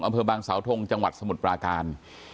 อำเภอบางสาวทงจังหวัดสมุทรปราการ